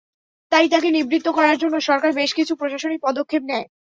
তাই তাঁকে নিবৃত্ত করার জন্য সরকার বেশ কিছু প্রশাসনিক পদক্ষেপ নেয়।